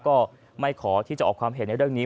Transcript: ก็ไม่ขอที่จะออกความเห็นในเรื่องนี้